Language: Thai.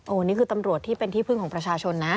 อันนี้คือตำรวจที่เป็นที่พึ่งของประชาชนนะ